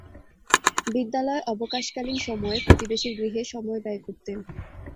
বিদ্যালয় অবকাশকালীন সময়ে প্রতিবেশীর গৃহে সময় ব্যয় করতেন।